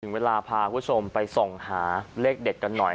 เวลาพาคุณผู้ชมไปส่องหาเลขเด็ดกันหน่อย